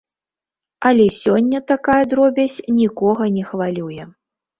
Але сёння такая дробязь нікога не хвалюе.